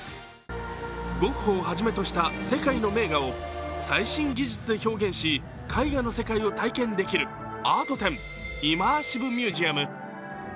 ゴッホをはじめとした世界の名画を最新技術で表現し、絵画の世界を体験できるアート展、イマーシブミュージアム。